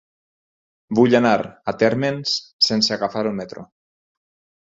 Vull anar a Térmens sense agafar el metro.